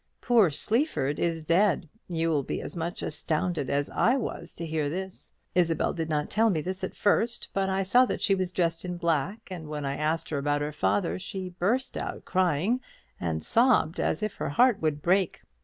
Poor Sleaford is dead. You'll be as much astounded as I was to hear this. Isabel did not tell me this at first; but I saw that she was dressed in black, and when I asked her about her father, she burst out crying, and sobbed as if heart would break.